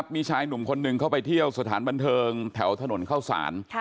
มีชายหนุ่มคนหนึ่งเข้าไปเที่ยวสถานบันเทิงแถวถนนเข้าสาร